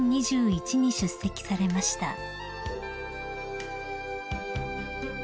２０２１に出席されました］